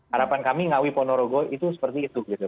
harapan kami ngawi ponorogo itu seperti itu